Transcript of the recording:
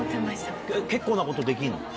結構なことできんの？